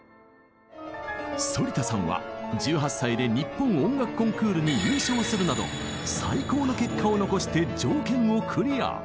反田さんは１８歳で日本音楽コンクールに優勝するなど最高の結果を残して条件をクリア。